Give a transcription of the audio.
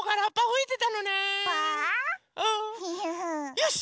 よし！